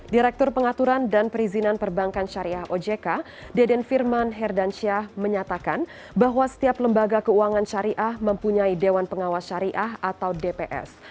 direktur pengaturan dan perizinan perbankan syariah ojk deden firman herdansyah menyatakan bahwa setiap lembaga keuangan syariah mempunyai dewan pengawas syariah atau dps